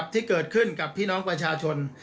ที่เกิดขึ้นกับพี่น้องประชาชน